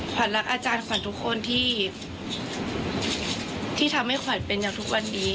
ขวัญรักอาจารย์ขวัญทุกคนที่ทำให้ขวัญเป็นอย่างทุกวันนี้